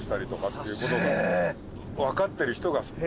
分かってる人が。